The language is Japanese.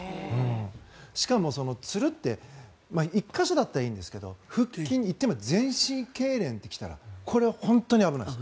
しかもつるって１か所だったらいいんですけど腹筋、言ってみれば全身けいれんってきたらこれ、本当に危ないです。